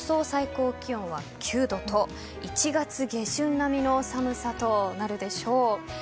最高気温は９度と１月下旬並みの寒さとなるでしょう。